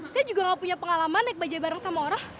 saya juga gak punya pengalaman naik bajai bareng sama orang